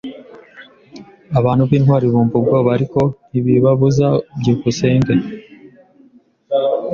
Abantu b'intwari bumva ubwoba, ariko ntibibabuza. byukusenge